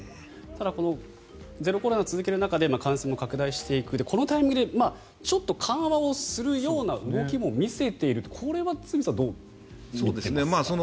ただゼロコロナを続ける中で感染も拡大していくこのタイミングでちょっと緩和をするような動きも見せているとこれは堤さんどう見ていますか。